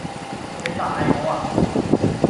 你大我呀